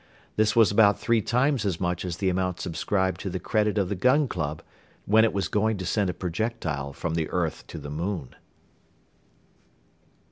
This was about three times as much as the amount subscribed to the credit of the Gun Club when it was going to send a projectile from the earth to the moon.